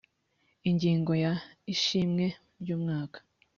ingingo ya ishimwe ry umwaka